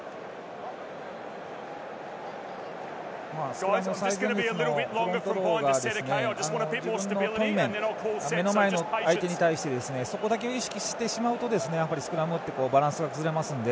スクラムの最前列フロントローが自分の対面目の前の相手に対してそこだけを意識してしまうとスクラムってバランスが崩れますので。